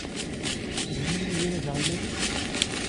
Yezmer Yidir ad aɣ-yalel?